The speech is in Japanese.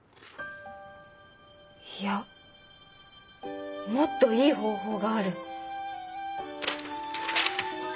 いやもっといい方法がある。